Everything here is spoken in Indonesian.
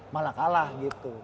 malah kalah gitu